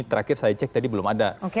terakhir saya cek tadi belum ada